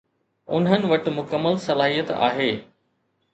انهن وٽ مڪمل صلاحيت آهي